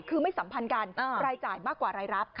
คือไม่สัมพันธ์กันรายจ่ายมากกว่ารายรับ